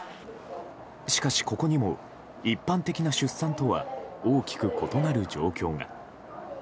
しかし、ここにも一般的な出産とは違う大きく異なる状況が。